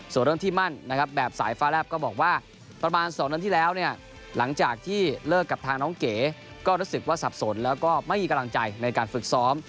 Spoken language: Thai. ส่วนเรื่องที่มั่นนะครับแบบสายฟ้าแลบก็บอกว่าประมาณ๒เดือนที่แล้วเนี่ยหลังจากที่เลิกกับทางน้องเก๋ก็รู้สึกว่าสับสนแล้วก็ไม่มีกำลังใจในการฝึกซ้อม